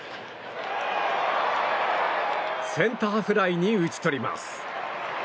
センターフライに打ち取ります。